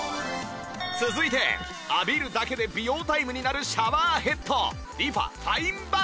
続いて浴びるだけで美容タイムになるシャワーヘッド